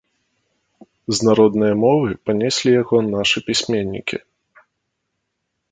З народнае мовы панеслі яго нашы пісьменнікі.